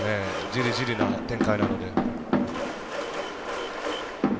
じりじりな展開なので。